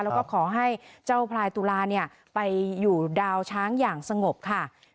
แล้วก็ขอให้เจ้าพลายตุลาไปอยู่ดาวช้างอย่างสงบค่ะ